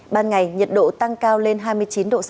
ban ngày nhiệt độ tăng cao lên hai mươi chín độ c